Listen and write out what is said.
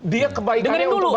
dia kebaikannya untuk bangsa